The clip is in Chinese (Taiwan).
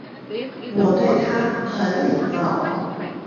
我對他很禮貌